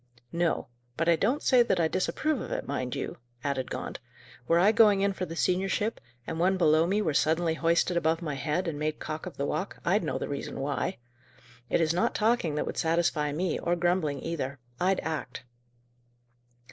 "No. But I don't say that I disapprove of it, mind you," added Gaunt. "Were I going in for the seniorship, and one below me were suddenly hoisted above my head and made cock of the walk, I'd know the reason why. It is not talking that would satisfy me, or grumbling either; I'd act."